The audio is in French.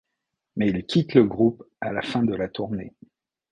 Mais il quitte le groupe à la fin de la tournée.